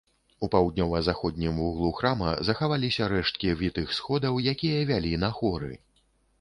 У паўднёва-заходнім вуглу храма захаваліся рэшткі вітых сходаў, якія вялі на хоры.